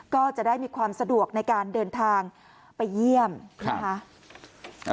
ก็จะได้มีความสะดวกในการเดินทางไปเยี่ยมนะคะ